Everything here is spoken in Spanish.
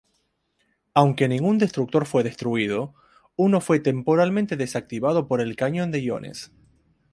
Aunque ningún destructor fue destruido, uno fue temporalmente desactivado por el Cañón de Iones.